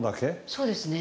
そうですね。